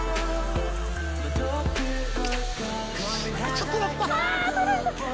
ちょっとやった！